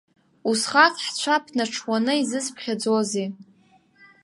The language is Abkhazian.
Усҟак ҳцәа ԥнаҽуаны изысыԥхьаӡозеи?